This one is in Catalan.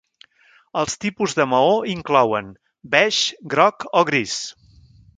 Els tipus de maó inclouen: beix, groc o gris.